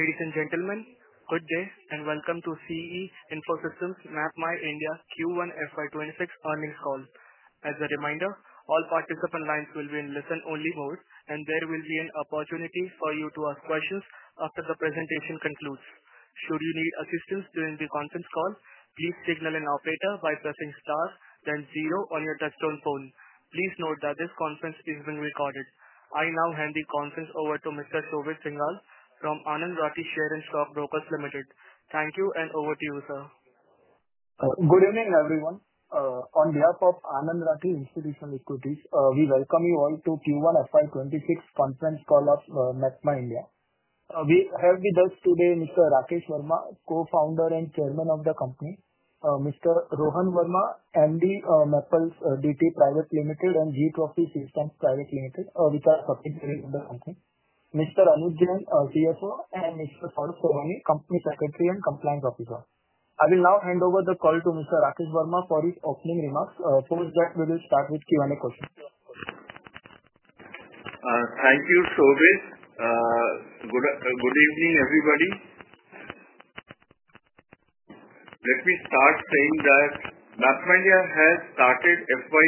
Ladies and gentlemen, good day and welcome to CE Info Systems MapMyIndia Q1 FY 2026 Earnings Call. As a reminder, all participant lines will be in listen-only mode, and there will be an opportunity for you to ask questions after the presentation concludes. Should you need assistance during the conference call, please signal an operator by pressing star then zero on your touchtone phone. Please note that this conference is being recorded. I now hand the conference over to Mr. Shobit Singhal from Anand Rathi Share and Stock Brokers Limited. Thank you and over to you, sir. Good evening, everyone. On behalf of Anand Rathi Institutional Equities, we welcome you all to the Q1 FY26 conference call of MapMyIndia. We have with us today Mr. Rakesh Verma, Co-founder and Chairman of the company, Mr. Rohan Verma, Managing Director, Mappls DP Private Limited and G20 Systems Private Limited, with us representing the company, Mr. Anuj Jain, Chief Financial Officer, and Mr. Sarvsovami, Company Secretary and Compliance Officer. I will now hand over the call to Mr. Rakesh Verma for his opening remarks. Please let's start with Q&A questions. Thank you, Shobit. Good evening, everybody. Let me start saying that MapMyIndia has started FY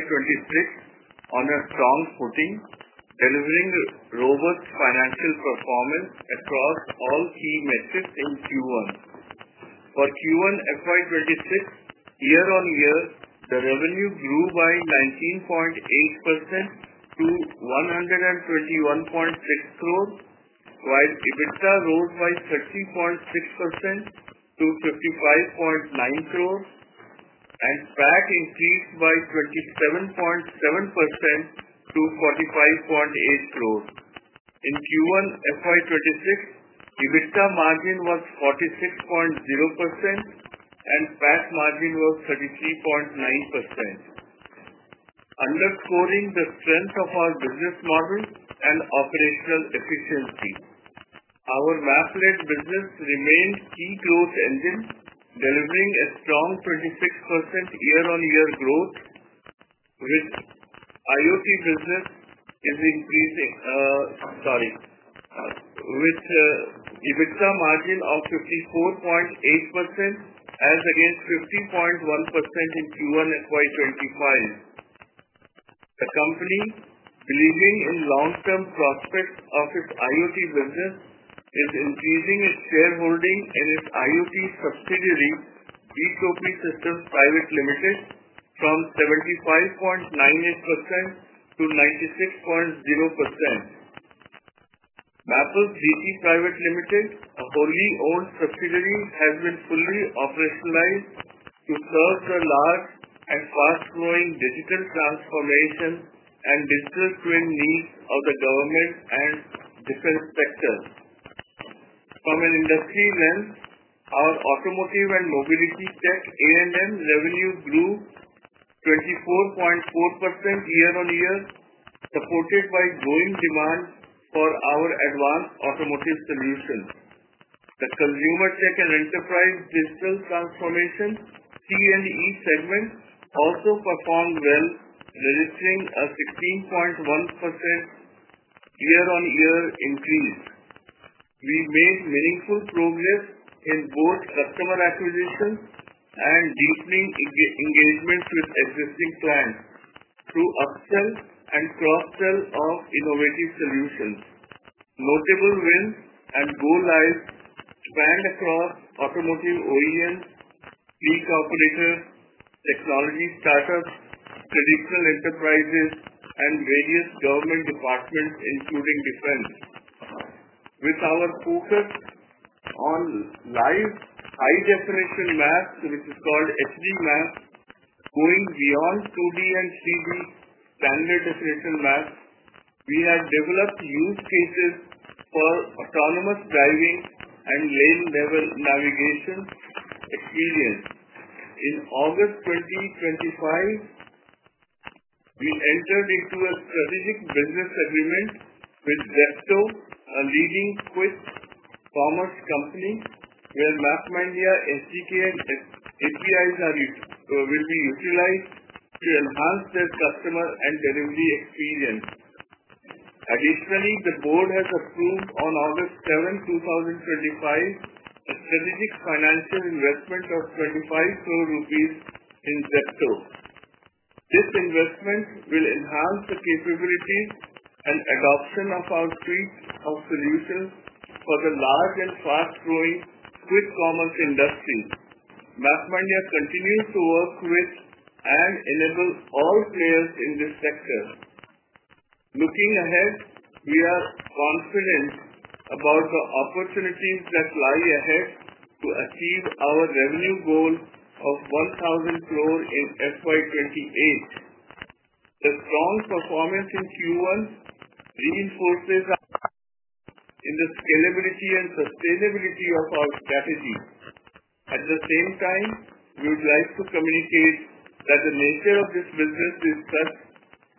2026 on a strong footing, delivering robust financial performance across all key metrics in Q1. For Q1 FY 2026, year-on-year, the revenue grew by 19.8% to INR 121.6 crore, while EBITDA rose by 13.6% to INR 55.9, and PAT increased by 27.7% to 45.8 crore. In Q1 FY26, EBITDA margin was 46.0% and PAT margin was 33.9%, underscoring the strength of our business model and operational efficiency. Our map business remains key growth engine, delivering a strong 26% year-on-year growth, with EBITDA margin of 54.8% as against 50.1% in Q1 FY 2025. The company, believing in long-term prospects of its IoT business, is increasing its shareholding in its IoT subsidiary, G20 Systems Private Limited, from 75.98% to 96.0%. Mappls DP Private Limited, a wholly owned subsidiary, has been fully operationalized to nurture large and fast-growing digital transformation and digital twin needs of the government and defense sector. From an industry lens, our automotive and mobility tech revenue grew 24.4% year-on-year, supported by growing demand for our advanced automotive solutions. The consumer tech and enterprise digital transformation (CLE) segment also performed well, registering a 16.1% year-on-year increase. We made meaningful progress in both customer acquisition and deepening engagements with existing clients through upsell and cross-sell of innovative solutions. Multiple wins and go-lives spanned across automotive OEMs, key corporates, technology startups, traditional enterprises, and various government departments, including defense. With our focus on live high-definition maps, which is called HD mapping stack, going beyond 2D and 3D standard definition maps, we have developed use cases for autonomous driving and lane-level navigation experience. In August 2025, we entered into a strategic business agreement with Gesto, a leading Swiss commerce company, where MapMyIndia SDK and APIs have been utilized to enhance their customer and delivery experience. Additionally, the board has approved on August 7, 2025, a strategic financial investment of 25 crore rupees in Gesto. This investment will enhance the capabilities and adoption of our suite of solutions for the large and fast-growing Swiss commerce industry. MapMyIndia continues to work with and enable all players in this sector. Looking ahead, we are confident about the opportunities that lie ahead to achieve our revenue goal of 1,000 crore in FY 2028. The strong performance in Q1 reinforces the scalability and sustainability of our strategy. At the same time, we would like to communicate that the nature of this business is such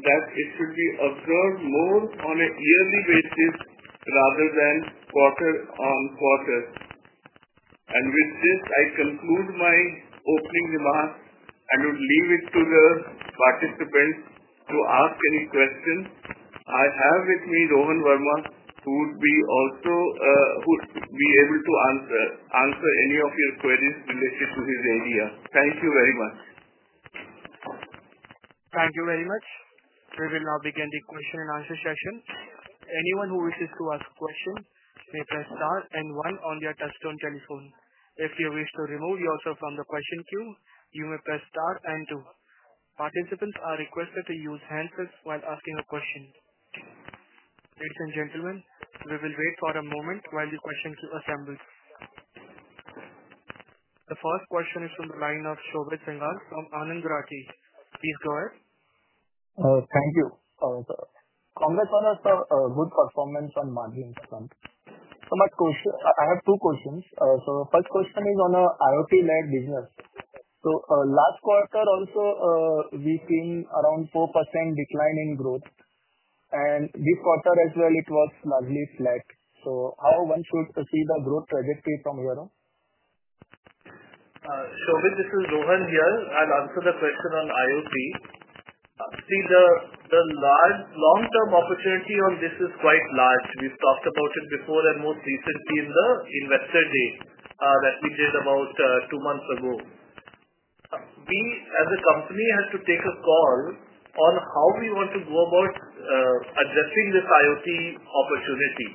that it will be observed more on a yearly basis rather than quarter-on-quarter. With this, I conclude my opening remarks and would leave it to the participants to ask any questions. I have with me Rohan Verma, who would be also able to answer any of your questions related to his area. Thank you very much. Thank you very much. We will now begin the question and answer session. Anyone who wishes to ask a question may press star and one on their touchtone telephone. If you wish to remove yourself from the question queue, you may press star and two. Participants are requested to use handsets while asking a question. Ladies and gentlemen, we will wait for a moment while the questions are assembled. The first question is from the line of Shobit Singhal from Anand Rathi. Please go ahead. Thank you. Congrats on a good performance on marketing stuff. I have two questions. The first question is on an IoT-led business. Last quarter, also, we've seen around 4% decline in growth. This quarter as well, it was largely flat. How one should see the growth trajectory from here on? This is Rohan here. I'll answer the question on IoT. The large long-term opportunity on this is quite large. We've talked about it before and most recently in the investor day that we did about two months ago. We, as a company, had to take a call on how we want to go about addressing this IoT opportunity.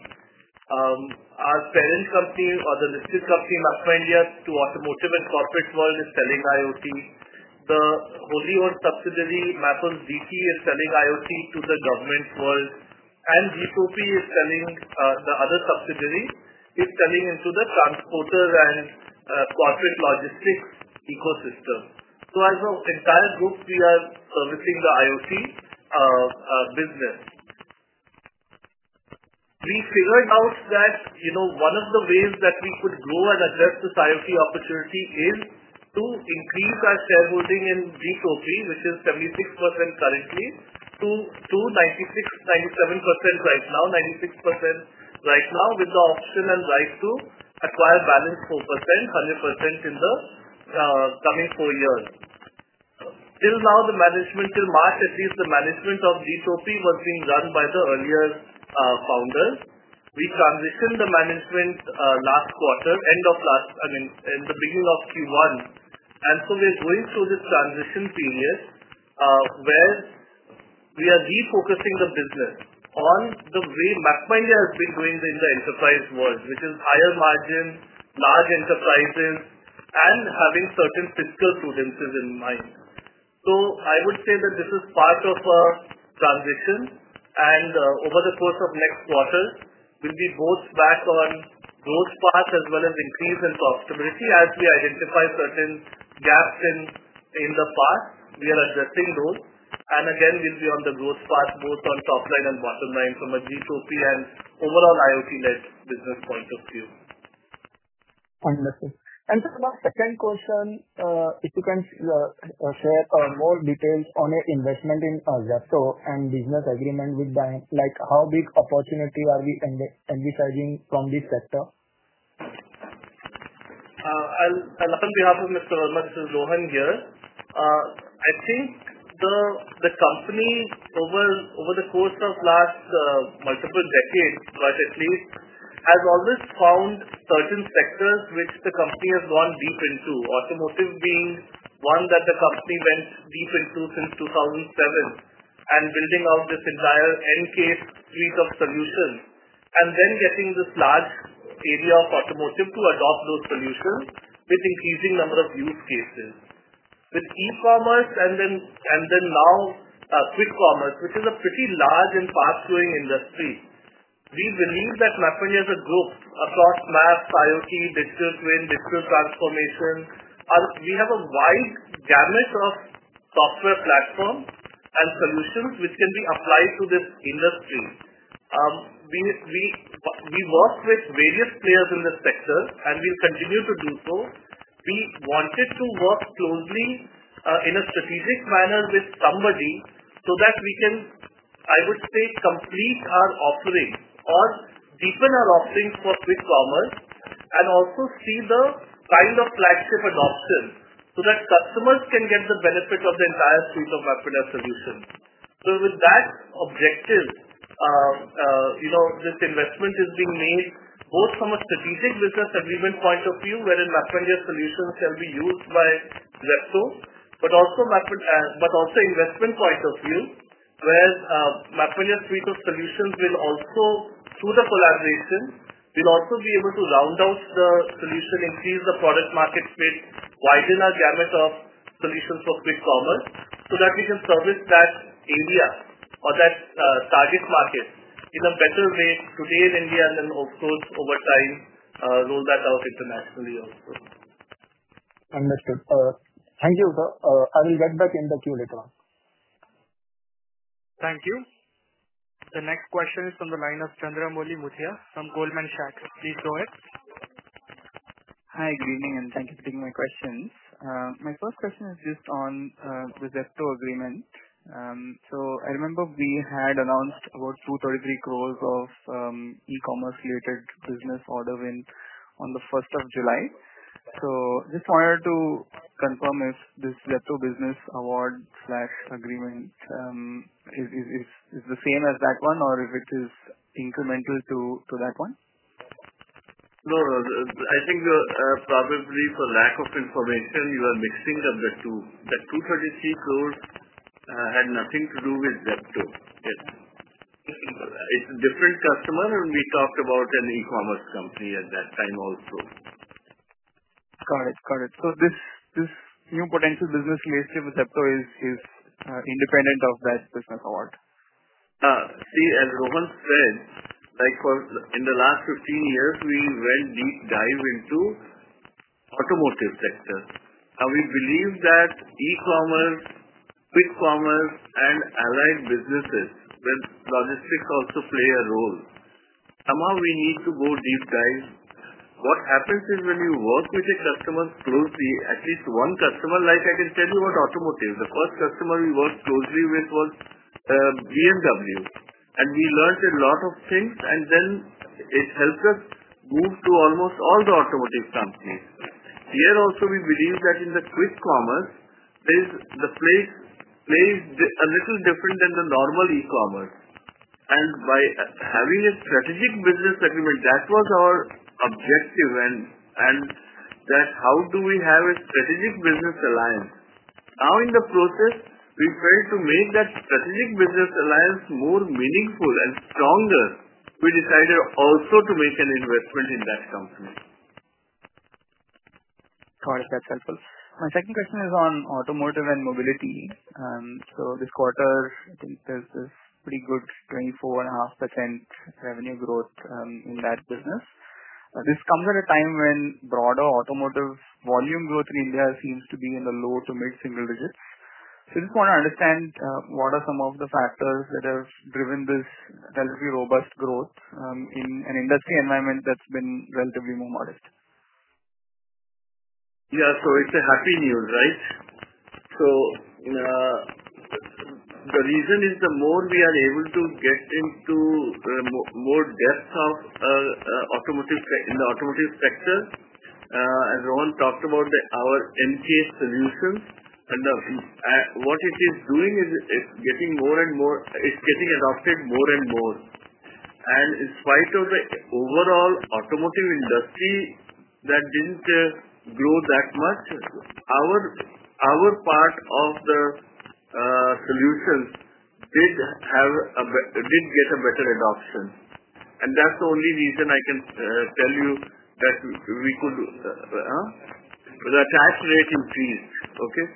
Our parent company, or the listed company, MapMyIndia, to automotive and corporate world is selling IoT. The only one subsidiary, Mappls DP, is selling IoT to the government world. G20, the other subsidiary, is selling into the transporter and corporate logistics ecosystem. As an entire group, we are servicing the IoT business. We figured out that one of the ways that we could grow and address this IoT opportunity is to increase our shareholding in G20, which is 76% currently, to 96% right now, with the option and right to acquire value of 4%, 100% in the coming four years. Till now, till March at least, the management of G20 was being run by the earlier founders. We transitioned the management last quarter, end of last and in the beginning of Q1. We're going through this transition period where we are refocusing the business on the way MapMyIndia has been doing in the enterprise world, which is higher margin, large enterprises, and having certain typical prudences in mind. I would say that this is part of our transition. Over the course of the next quarters, we'll be both back on growth path as well as increase in profitability as we identify certain gaps in the past. We are addressing those. We'll be on the growth path both on top line and bottom line from a G20 and overall IoT-led business point of view. Wonderful. Just about the second question, if you can share more details on your investment in Gesto and business agreement with them, like how big opportunity are we emphasizing from this sector? On behalf of Mr. Verma, this is Rohan here. I think the company over the course of the last multiple decades, at least, has always found certain sectors which the company has gone deep into, automotive being one that the company went deep into since 2007, and building out this entire end case suite of solutions. Then getting this large area of automotive to adopt those solutions with an increasing number of use cases. With e-commerce and now Swiss commerce, which is a pretty large and fast-growing industry, we believe that MapMyIndia as a group across maps, IoT, digital twin, digital transformation, we have a wide gamut of software platforms and solutions which can be applied to this industry. We work with various players in this sector, and we continue to do so. We wanted to work closely in a strategic manner with somebody so that we can, I would say, complete our offering or deepen our offerings for Swiss commerce and also see the kind of flagship adoption so that customers can get the benefit of the entire suite of MapMyIndia solutions. With that objective, this investment is being made both from a strategic business agreement point of view, wherein MapMyIndia solutions shall be used by Gesto, but also an investment point of view, where MapMyIndia suite of solutions will also suit a collaboration. We'll also be able to round out the solution and see the product markets with widen our gamut of solutions for quick commerce so that we can service that area or that target market in a better way today in India and then also over time roll that out internationally also. Understood. Thank you. I will get back in the queue later on. Thank you. The next question is from the line of Chandramoli Muthiah from Goldman Sachs. Please go ahead. Hi, good evening, and thank you for taking my questions. My first question is just on the Gesto agreement. I remember we had announced about 233 crore of e-commerce-related business order wins on the 1st of July. I just wanted to confirm if this Gesto business award/agreement is the same as that one or if it is incremental to that one. No, no. I think you're probably, for lack of information, you are mixing up the two. The 233 crore had nothing to do with Gesto. It's a different customer, and we talked about an e-commerce company at that time also. Got it. Got it. This new potential business relationship with Gesto is independent of that business award? See, as Rohan said, like for in the last 15 years, we went deep dive into the automotive sector. We believe that e-commerce, quick commerce, and allied businesses with logistics also play a role. Somehow, we need to go deep dive. What happens is when you work with a customer closely, at least one customer, like I can tell you about automotive, the first customer we worked closely with was BMW. We learned a lot of things, and it helped us move to almost all the automotive companies. Here also, we believe that in the quick commerce, the place plays a little different than the normal e-commerce. By having a strategic business agreement, that was our objective then. That how do we have a strategic business alliance? Now in the process, we've had to make that strategic business alliance more meaningful and stronger. We decided also to make an investment in that company. Got it. That's helpful. My second question is on automotive and mobility. This quarter, I think there's this pretty good strength, 4.5% revenue growth in that business. This comes at a time when broader automotive volume growth in India seems to be in the low to mid-single digits. I just want to understand what are some of the factors that have driven this relatively robust growth in an industry environment that's been relatively more modest? Yeah. It's a happy news, right? The reason is the more we are able to get into more depth of the automotive sector, as Rohan talked about, our NPS solutions, and what it is doing is getting more and more, it's getting adopted more and more. In spite of the overall automotive industry that didn't grow that much, our part of the solutions did get a better adoption. That's the only reason I can tell you that we could, the CAC rate increased, okay?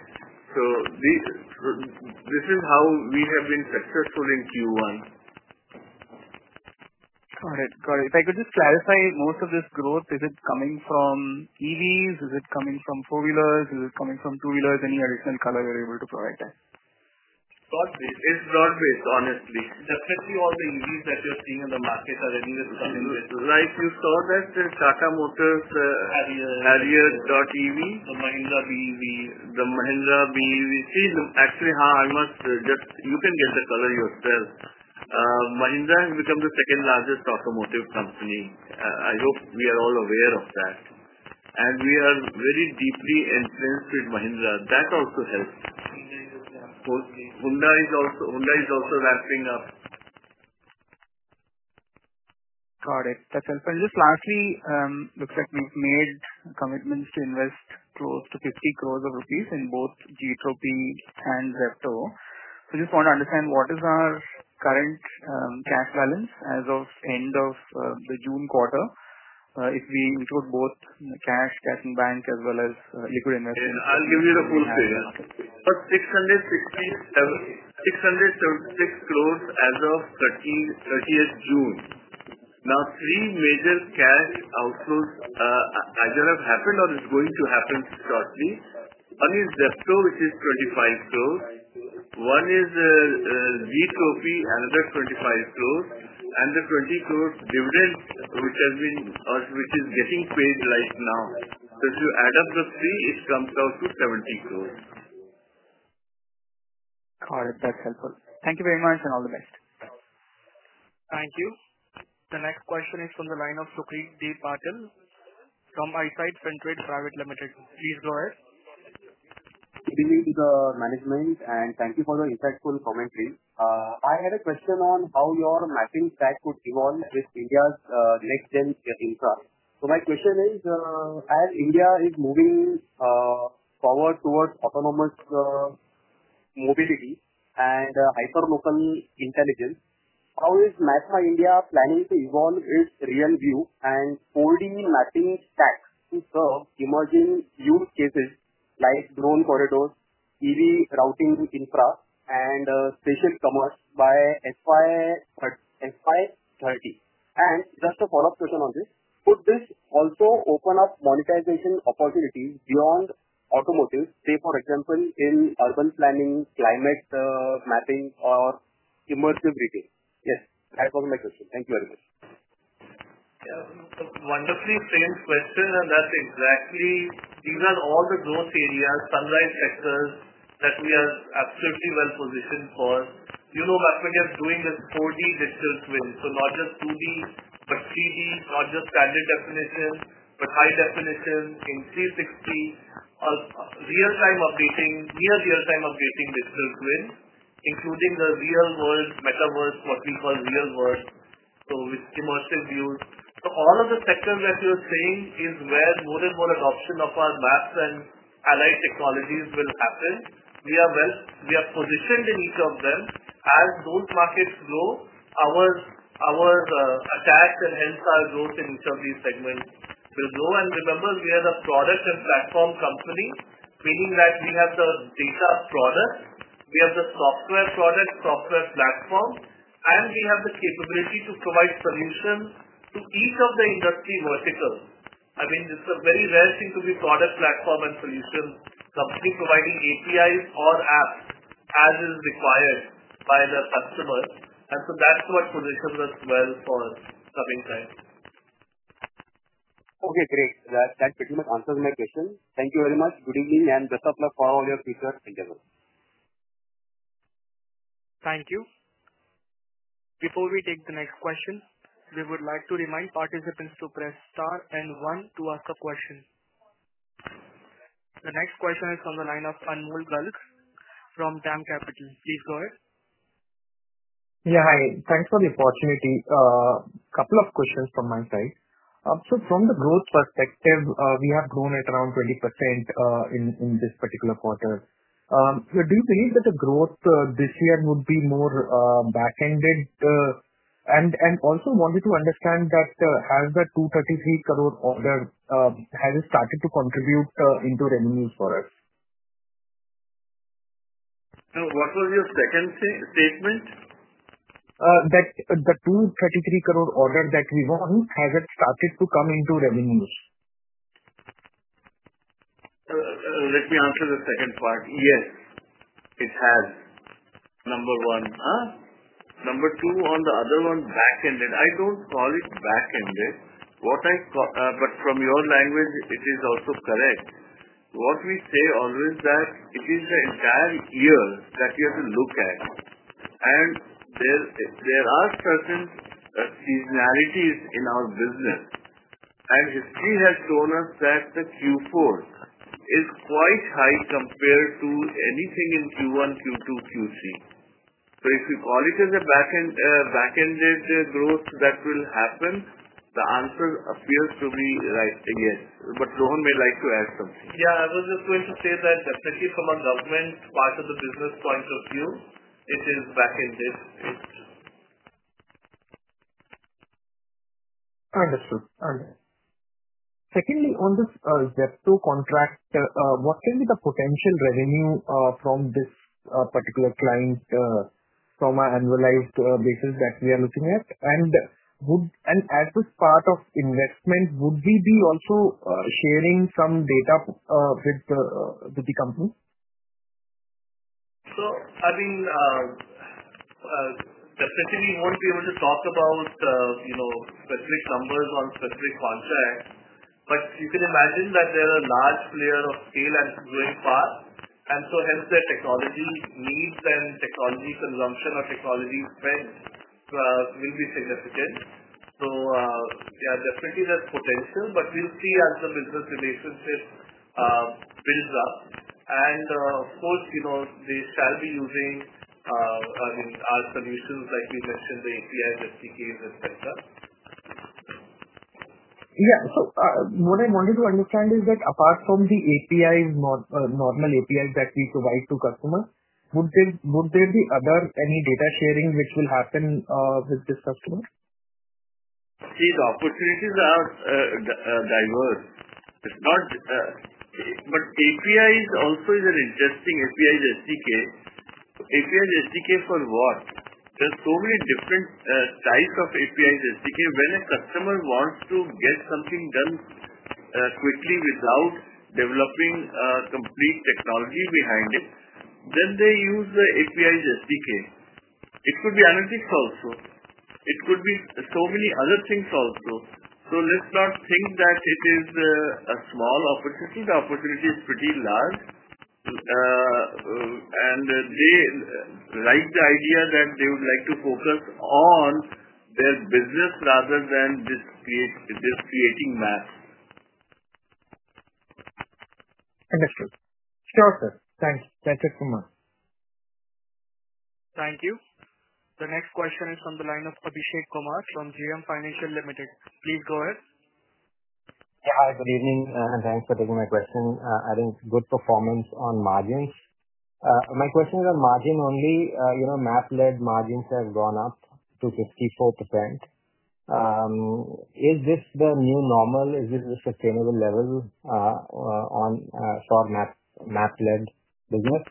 This is how we have been successful in Q1. Got it. If I could just clarify, most of this growth, is it coming from EVs? Is it coming from four wheelers? Is it coming from two wheelers? Any additional color you're able to provide that? It's broad-based, honestly. Definitely, all the EVs that you're seeing in the market are ready with something new. Like you saw that in Tata Motors, Harrier.ev. The Mahindra BEV. The Mahindra BEV. Actually, you can get the color yourself. Mahindra has become the second largest automotive company. I hope we are all aware of that. We are very deeply entrenched with Mahindra. That also helps. Honda is also ramping up. Got it. That's helpful. Lastly, it looks like we've made commitments to invest close to 50 crore rupees in both G20 Systems Private Limited and Gesto. We just want to understand what is our current cash balance as of the end of the June quarter, if we include both cash, cash in bank, as well as liquid investment. I'll give you the full figure. About INR 676 crore as of June 30th. Now, three major cash outflows either have happened or are going to happen shortly. One is Gesto, which is 25 crore. One is G20, another 25 crore. The 20 crore dividend, which is getting paid right now. If you add up the three, it comes out to 70 crore. Got it. That's helpful. Thank you very much and all the best. Thank you. The next question is from the line of Sucrit Patil from Eyesight Fintrade Private Limited. Please go ahead. Thank you, the management, and thank you for the impactful commentary. I had a question on how your mapping stack could evolve with India's next-gen tech insight. My question is, as India is moving forward towards autonomous mobility and hyper-local intelligence, how is MapMyIndia planning to evolve its real view and 4D mapping stack for emerging use cases like drone corridors, EV routing infra, and spatial commerce by FY 2030? Could this also open up monetization opportunities beyond automotive, for example, in urban planning, climate mapping, or immersive retail? Yes, I have one more question. Thank you very much. Wonderfully framed question, and that's exactly these are all the growth areas, Sunrise Sector, that we are absolutely well positioned for. MapMyIndia is doing a 4D digital twin, so not just 2D, but 4D, not just standard definition, but high definition in 360, real-time updating, near real-time updating digital twins, including the real-world metaverse, what we call real-world, with immersive views. All of the sectors that you're seeing is where more and more adoption of our maps and allied technologies will happen. We are positioned in each of them. As those markets grow, our tasks and hence our growth in each of these segments will grow. Remember, we are a product and platform company, meaning that we have the data product. We have the software product, software platform, and we have the capability to provide solutions to each of the industry verticals. It's a very rare thing to be product, platform, and solution subsidy providing APIs or apps, as is required by the customer. That's what positions us well for coming times. Okay, great. That pretty much answers my question. Thank you very much. Putting me and Gesto on your speaker. Thank you. Before we take the next question, we would like to remind participants to press star and one to ask a question. The next question is from the line of Anmol Garg from TAM Capital. Please go ahead. Yeah, hi. Thanks for the opportunity. A couple of questions from my side. From the growth perspective, we have grown at around 20% in this particular quarter. Do you believe that the growth this year would be more back-ended? I also wanted to understand that has that 233 crore order started to contribute into revenues for us? Now, what was your second statement? That the 233 crore order that we want has started to come into revenues. Let me answer the second part. Yes, it has. Number one. Number two, on the other one, back-ended. I don't call it back-ended. What I call, but from your language, it is also correct. What we say always is that it is the entire year that you have to look at. There are certain seasonalities in our business, and history has shown us that Q4 is quite high compared to anything in Q1, Q2, Q3. If you call it as a back-ended growth that will happen, the answer appears to be right, yes. Rohan may like to add something. Yeah, I was just going to say that definitely from a government part of the business point of view, it is back-ended. Wonderful. Secondly, on this Gesto contract, what can be the potential revenue from this particular client from an annualized basis that we are looking at? Would, and as this part of investment, would we be also sharing some data with the company? We won't be able to talk about specific numbers on specific contracts. You can imagine that they're a large player of scale and growing fast, and hence their technology needs and technology consumption or technology trends will be significant. There's potential, but we'll see as the business relationship builds up. Of course, they shall be using our solutions like we mentioned, the APIs, SDKs, etc. What I wanted to understand is that apart from the APIs, normal APIs that we provide to customers, would there be any other data sharing which will happen with this customer? See, the opportunities are diverse. APIs also are an interesting APIs SDK. APIs SDK for what? There are so many different types of APIs SDK. When a customer wants to get something done quickly without developing a complete technology behind it, they use the APIs SDK. It could be analytics also. It could be so many other things also. Let's not think that it is a small opportunity. The opportunity is pretty large. They like the idea that they would like to focus on their business rather than just creating maps. Understood. Sure, sir. Thanks so muchm Thank you. The next question is from the line of Abhishek Kumar from JM Financial Limited. Please go ahead. Thanks for taking my question. I think good performance on margins. My question is on margin only. You know, MapLed margins have gone up to 64%. Is this the new normal? Is this a sustainable level on for Mappl business?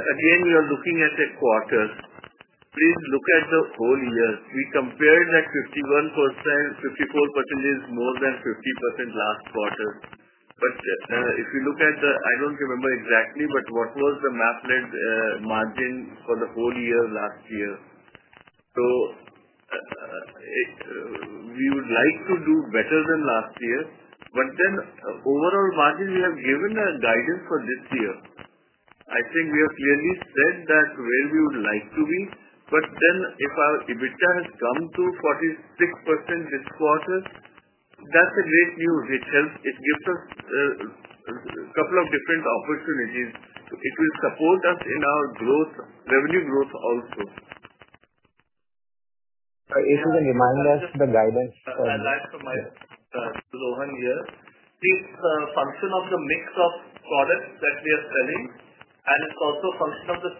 Again, you're looking at the quarter. Please look at the whole year. We compared that 51%, 54% is more than 50% last quarter. If you look at the, I don't remember exactly, but what was the Mappl margin for the whole year last year? We would like to do better than last year. Overall margin, we have given a guidance for this year. I think we have clearly said that where we would like to be. If Gesto has come to 46% this quarter, that's great news, which helps. It gives us a couple of different opportunities. It will support us in our growth, revenue growth also. I guess you can remind us the guidance. I'd like to remind Rohan here. It's a function of the mix of products that we are selling, and it's also a function of the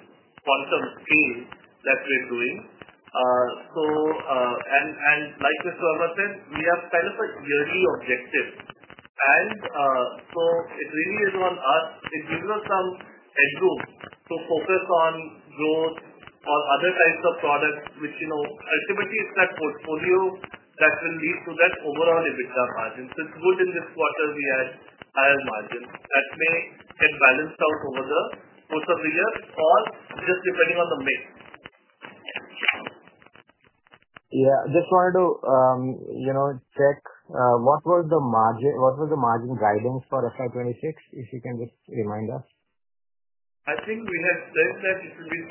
quantum theme that we're doing. Like Mr. Verma said, we have kind of a yearly objective. It really is on us. It gives us some headroom to focus on growth or other types of products, which you know ultimately is that portfolio that will lead to that overall EBITDA margin. It's good in this quarter we had higher margins that may get balanced out over the course of the year or just depending on the mix. I just wanted to, you know, check what was the margin guidance for FY 2026 if you can just remind us. I think we have said that it will be 35%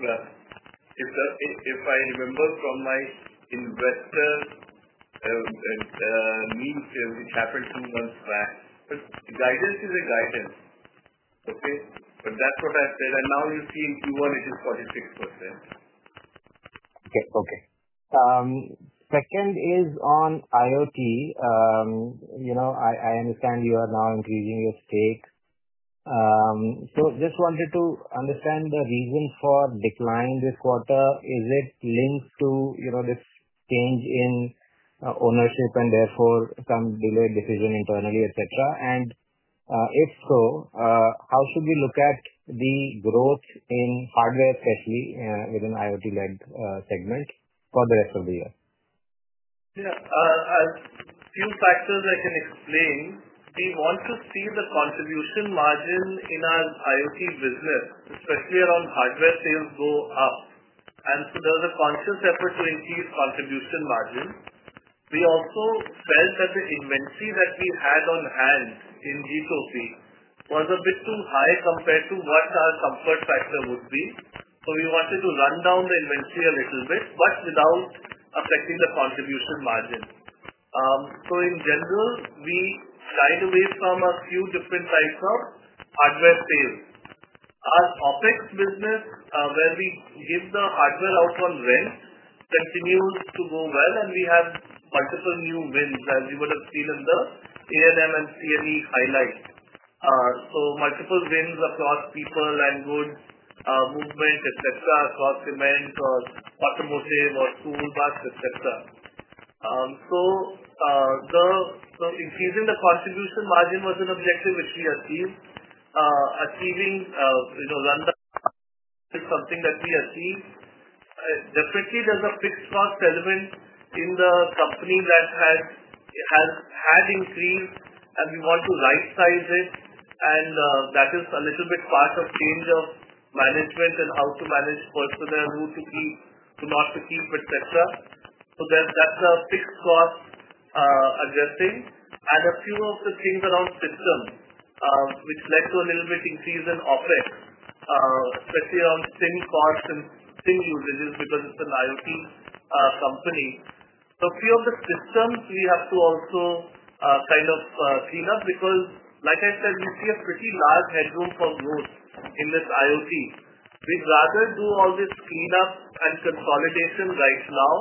plus. If I remember from my investor meetings, which happened some months back, guidance is a guidance, okay? That's what I said. Now you see in Q1, it is 46%. Okay. Second is on IoT. I understand you are now increasing your stake. Just wanted to understand the reason for decline this quarter. Is it linked to this change in ownership and therefore some delayed decision internally, etc.? If so, how should we look at the growth in hardware especially within the IoT-led segment for the rest of the year? Yeah. A few factors I can explain. We want to see the contribution margin in our IoT business, especially around hardware sales, go up. There's a conscious effort to increase contribution margins. We also felt that the inventory that we had on hand in G20 was a bit too high compared to what our comfort factor would be. We wanted to run down the inventory a little bit, but without affecting the contribution margins. In general, we shied away from a few different types of hardware sales. Our OpEx business, where we give the hardware out on rent, continues to go well, and we have multiple new wins as you would have seen in the A&M and CME highlights. Multiple wins across people, land goods, movement, etc., across cement or automotive or toolbox, etc. Increasing the contribution margin was an objective which we achieved. Achieving, you know, run the margins is something that we achieved. Definitely, there's a fixed cost element in the company that has had increased, and we want to right-size it. That is a little bit part of change of management and how to manage personnel, who to keep, to not to keep, etc. There's that fixed cost, addressing. A few of the things around systems, which led to a little bit increase in OpEx, especially around thin costs and thin usages because it's an IoT company. A few of the systems we have to also, kind of, clean up because, like I said, we see a pretty large headroom for growth in this IoT. We'd rather do all this cleanup and consolidation right now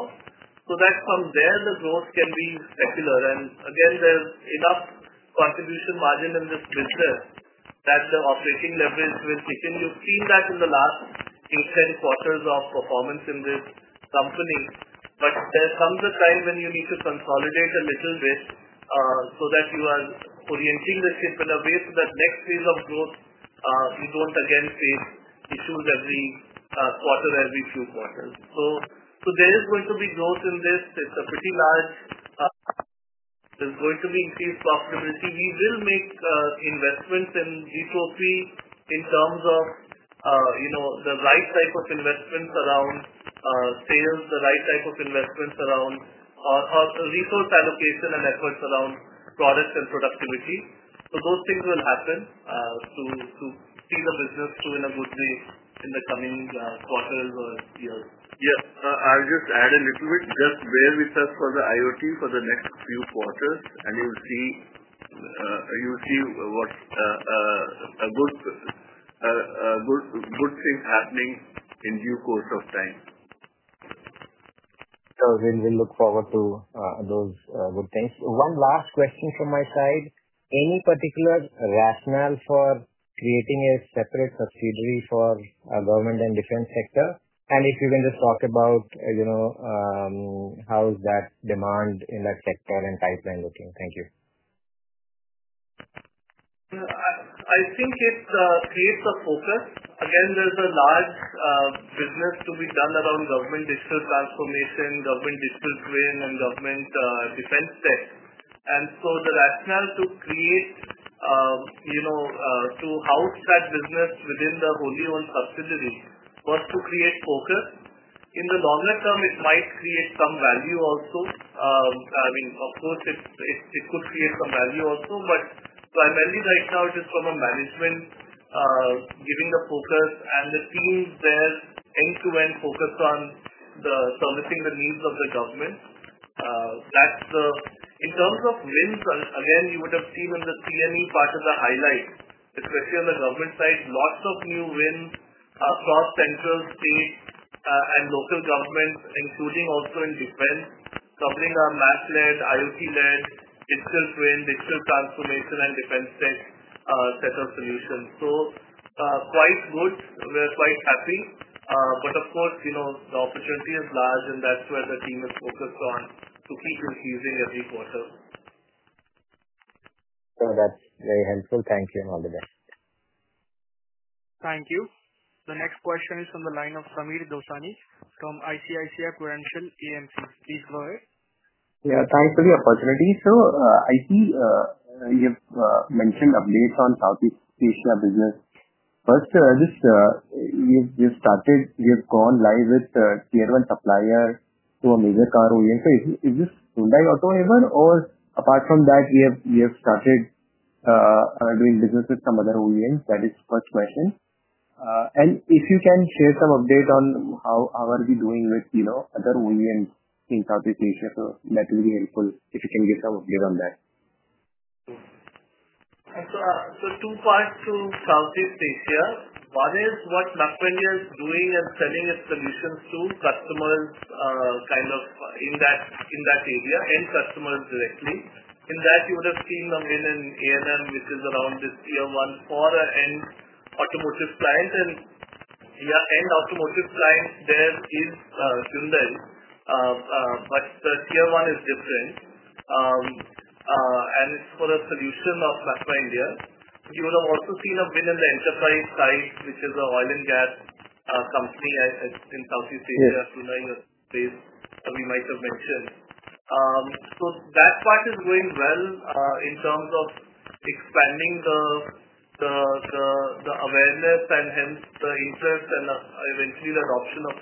so that from there, the growth can be secular. Again, there's enough contribution margin in this business that the operating leverage will keep. You've seen that in the last, instead, quarters of performance in this company. There comes a time when you need to consolidate a little bit, so that you are orienting the ship in a way so that next phase of growth, you don't again face issues every quarter, every few quarters. There is going to be growth in this. It's a pretty large, there's going to be increased profitability. We will make investments in G20 in terms of, you know, the right type of investments around sales, the right type of investments around, or, or resource allocation and efforts around products and productivity. Those things will happen, to see the business to win a good win in the coming quarters or years. Yeah. I'll just add a little bit where we stand for the IoT for the next few quarters, and you'll see what's a good thing happening in due course of time. We'll look forward to those good things. One last question from my side. Any particular rationale for creating a separate subsidiary for government and defense sector? If you can just talk about how is that demand in that sector and pipeline looking? Thank you. I think it's a case of focus. Again, there's a large business to be done around government digital transformation, government digital twin, and government defense tech. The rationale to house that business within the wholly owned subsidiary is to create focus. In the longer term, it might create some value also. I mean, of course, it could create some value also, but primarily, right now, it is from a management perspective, giving the focus. The two is their end-to-end focus on servicing the needs of the government. In terms of wins, again, you would have seen in the CME part of the highlights, especially on the government side, lots of new wins across central, states, and local governments, including also in defense, covering our map-led, IoT-led, digital transformation, and defense tech setup solutions. Quite good. We're quite happy. Of course, you know, the opportunity is large, and that's where the team is focused on to keep increasing every quarter. That's very helpful. Thank you and all the best. Thank you. The next question is from the line of Sameer Dosani from ICICI Prudential AMC. Please go ahead. Yeah, thanks for the opportunity. I see you have mentioned updates on Southeast Asia business. First, you've gone live with the tier one supplier to a major car OEM. Is this Hyundai AutoEver, or apart from that, have you started doing business with some other OEMs? That is the first question. If you can share some updates on how we are doing with other OEMs in Southeast Asia, that would be helpful if you can give some updates on that. So, too far to Southeast Asia, what is what MapMyIndia is doing and selling its solutions to customers, kind of in that area and customers directly? In that, you would have seen a win in A&M, which is around the tier one for our end automotive clients. Yeah, end automotive clients, there is Hyundai, but the tier one is different, and it's for a solution of MapMyIndia. You would have also seen a win in the enterprise side, which is an oil and gas company in Southeast Asia, Hyundai Space, we might have mentioned. That's what is going well, in terms of expanding the awareness and hence the interest and eventually the adoption of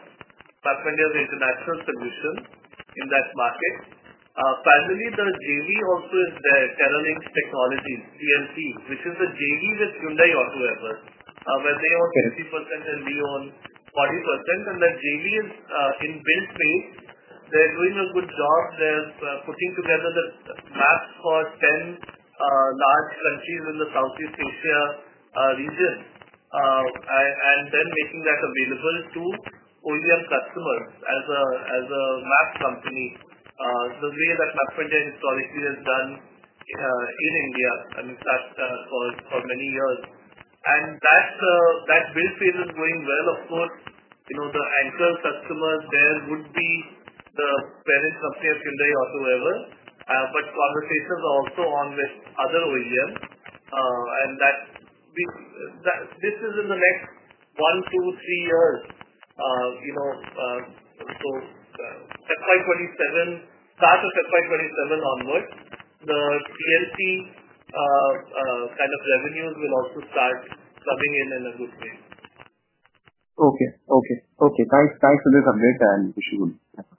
MapMyIndia's international solution in that market. Finally, the JV also is there, TerraLinks Technologies, TMC, which is the JV with Hyundai AutoEver. As they own 30% and we own 40%. The JV is in building. They're doing a good job. They're putting together the map for 10 large countries in the Southeast Asia regions, and then making that available to OEM customers as a map company. The way that MapMyIndia historically has done in India, and in fact, for many years. That whole field is going well. Of course, the anchor customers there would be the parent company of Hyundai AutoEver, but conversations are also on with other OEMs. This is in the next one, two, three years, you know, so, start of FY 2027 onward, the TMC kind of revenues will also start coming in in a good way. Okay. Thanks for this update, and wish you good luck.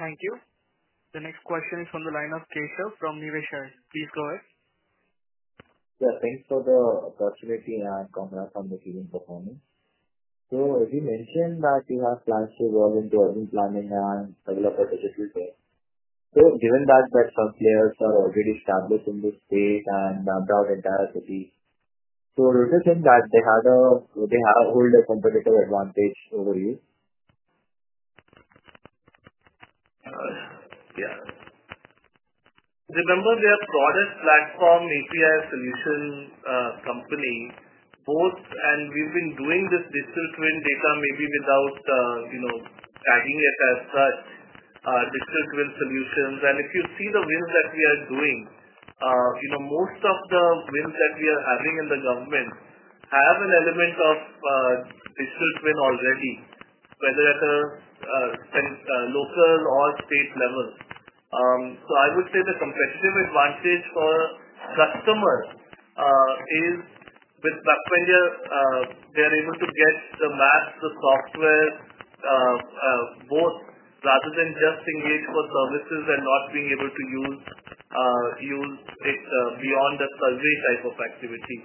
Thank you. The next question is from the line of Keshav from Niveshaay. Please go ahead. Yeah, thanks for the opportunity. and congrats for the performance. As you mentioned that you have plans to go into implementing a lot of strategic research. Given that best customers are already established in the state and around our entire city, do you think that they have a whole competitive advantage over you? Yes. Remember, they are a core platform API solution company, both, and we've been doing this digital twin data maybe without, you know, tagging it as such, digital twin solutions. If you see the wins that we are doing, most of the wins that we are having in the government have an element of digital twin already, whether at a local or state levels. I would say the competitive advantage for customers is with MapMyIndia, they're able to get the maps, the software, both rather than just engage for services and not being able to use, you take, beyond the service type of activity.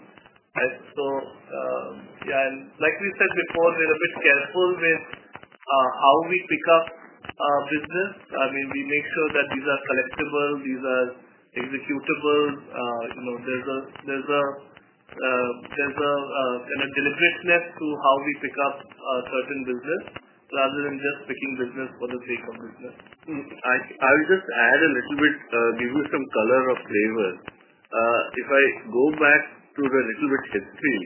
Like we said before, we're a bit careful with how we pick up business. I mean, we make sure that these are collectible, these are executable. You know, there's an intelligence left to how we pick up certain business rather than just picking business for the sake of business. I'll just add a little bit, give you some color or flavor. If I go back to a little bit of history,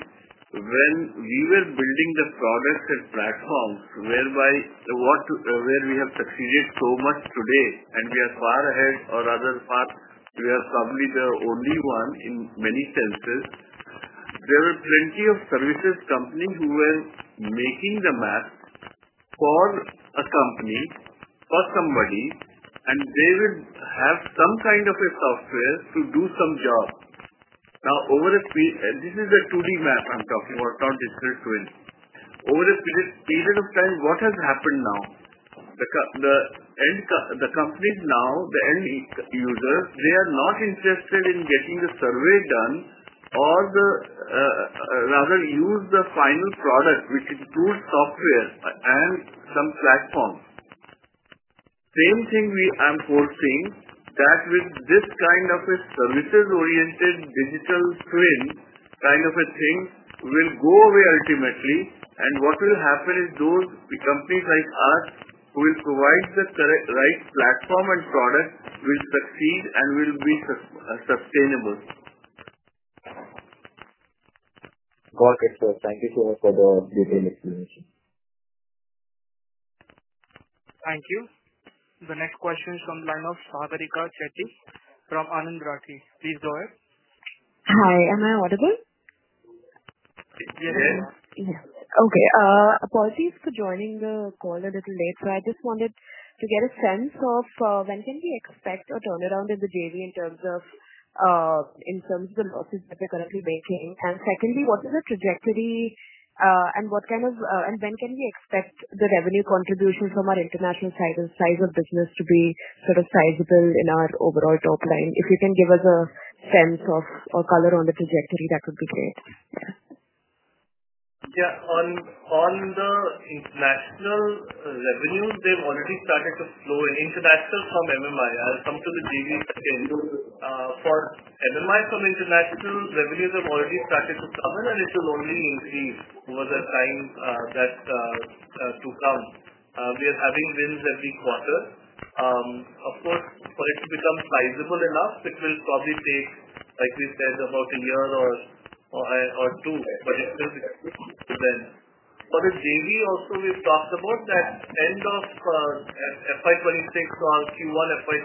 when we were building the products and platforms whereby what to where we have succeeded so much today, and we are far ahead, or rather far, we are probably the only one in many senses. There were plenty of services companies who were making the maps for a company, for somebody, and they would have some kind of a software to do some job. Now, over a period, and this is a 2D map I'm talking about, not digital twin. Over a period of time, what has happened now? The end, the company now, the end users, they are not interested in getting the survey done or rather use the final product, which is approved software and some platform. Same thing I'm foreseeing that with this kind of a services-oriented digital twin kind of a thing will go away ultimately. What will happen is those companies like us who will provide the right platform and product will succeed and will be sustainable. Got it. Thank you so much for the detailed explanation. Thank you. The next question is from the line of Sagarika Chetty from Anand Rathi. Please go ahead. Hi. Am I audible? Yes. Okay. Apologies for joining the call a little late. I just wanted to get a sense of when can we expect a turnaround in the JV in terms of the losses that we're currently making? Secondly, what is the trajectory, and what kind of, and when can we expect the revenue contributions from our international size and size of business to be sort of sizable in our overall top line? If you can give us a sense of or color on the trajectory, that would be great. Yeah. On the international revenues, they've already started to flow in. That's still from MapMyIndia. I'll come to the JV. For MapMyIndia, some international revenues have already started to come in, and it will only increase over the time to come. We are having wins every quarter. Of course, for it to become sizable enough, it will probably take, like we said, about a year or two, but it depends. For the JV, also we've talked about that end of FY 2026 or Q1 FY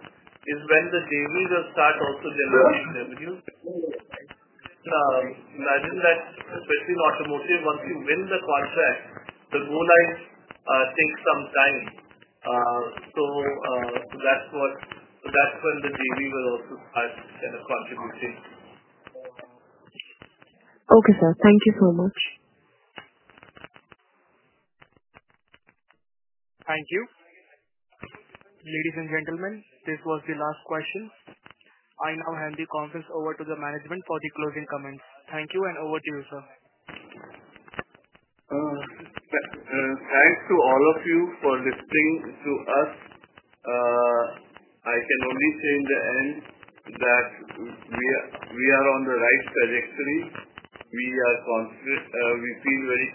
2027 is when the JV will start also generating revenue. Imagine that especially in automotive, once you win the contract, the grow lines take some time. That's when the JV will also start kind of contributing. Okay, sir. Thank you so much. Thank you. Ladies and gentlemen, this was the last question. I now hand the conference over to the management for the closing comments. Thank you, and over to you, sir. Thanks to all of you for listening to us. I can only say in the end that we are on the right trajectory. We are confident, we feel very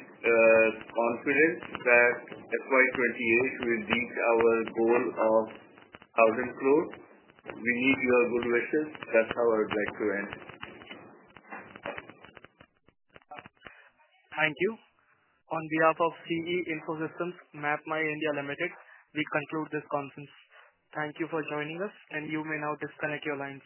confident that FY 2028 will reach our goal of 1,000 crores. We wish you good wishes. That's how I would like to end. Thank you. On behalf of CE Info Systems, MapMyIndia Limited, we conclude this conference. Thank you for joining us, and you may now disconnect your lines.